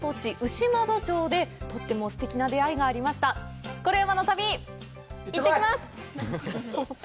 牛窓町でとってもすてきな出会いがありました「コレうまの旅」いってきます！